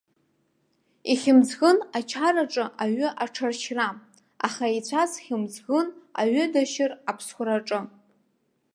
Ихьымӡӷын ачараҿы аҩы аҽаршьра, аха еицәаз хьымӡӷын аҩы дашьыр аԥсхәраҿы.